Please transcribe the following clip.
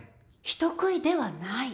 人食いではない？